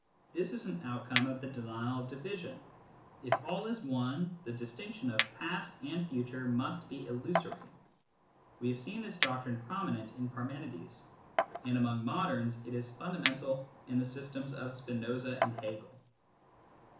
This is an outcome of the denial of division ; if all is one, the distinction of past and future must be illusory. We have seen this doctrine prominent in Parmenides ; and among moderns it is fundamental in the systems of Spinoza and Hegel.